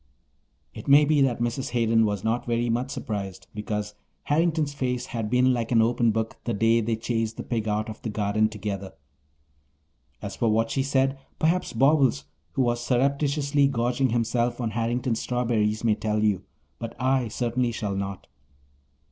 It may be that Mrs. Hayden was not very much surprised, because Harrington's face had been like an open book the day they chased the pig out of the garden together. As for what she said, perhaps Bobbles, who was surreptitiously gorging himself on Harrington's strawberries, may tell you, but I certainly shall not.